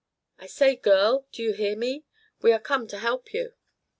I say, girl, do you hear me? We are come to help you."